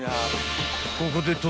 ［ここで］